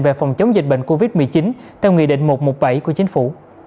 về phòng chống dịch bệnh covid một mươi chín theo nghị định một trăm một mươi bảy của chính phủ